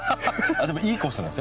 でもいいコースなんですよね？